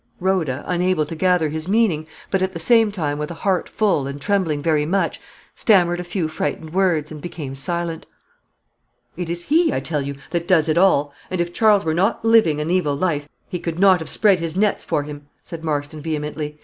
Rhoda, unable to gather his meaning, but, at the same time, with a heart full and trembling very much, stammered a few frightened words, and became silent. "It is he, I tell you, that does it all; and if Charles were not living an evil life, he could not have spread his nets for him," said Marston, vehemently.